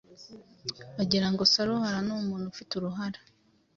bagira ngo Saruhara ni umuntu ufite uruhara!